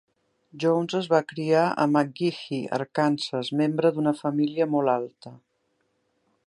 Jones es va criar a McGehee, Arkansas, membre d'una família molt alta.